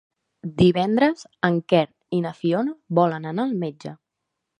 Divendres en Quer i na Fiona volen anar al metge.